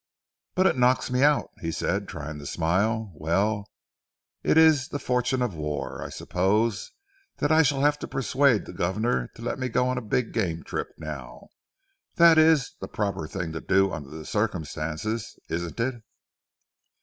"But it knocks me out!" he said trying to smile. "Well, it is the fortune of war. I suppose that I shall have to persuade the governor to let me go on a big game trip, now. That is, the proper thing to do under the circumstances, isn't it?"